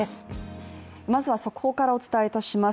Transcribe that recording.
まずは速報からお伝えいたします。